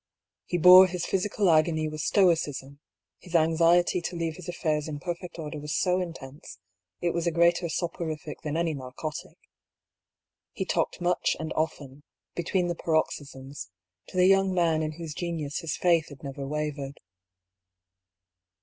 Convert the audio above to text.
He bore his physical agony with stoicism ; his anxiety to leave his affairs in perfect order was so intense, it was a greater soporific than any narcotic. He talked much and often, between the paroxysms, to the young man in whose genius his faith had never wavered.